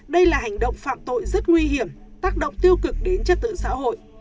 đây là hành động phạm tội rất nguy hiểm tác động tiêu cực đến chất tự xã hội